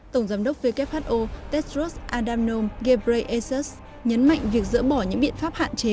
tổng giám đốc who tedros adamom ghebreyesus nhấn mạnh việc dỡ bỏ những biện pháp hạn chế